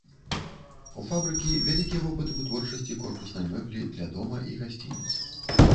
У фабрыкі вялікі вопыт вытворчасці корпуснай мэблі для дома і гасцініц.